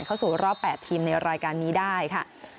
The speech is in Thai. เข้าสู่รอบ๘ทีมในรายการนี้ได้ค่ะ